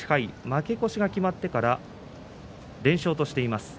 負け越しが決まってから連勝としています。